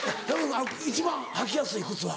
一番履きやすい靴は？